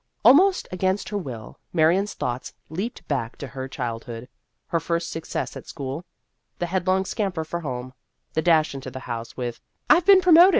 Almost against her will, Marion's thoughts leaped back to her childhood : her first success at school the headlong scamper for home, the dash into the house with " I Ve been pro moted